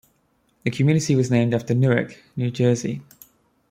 The community was named after Newark, New Jersey.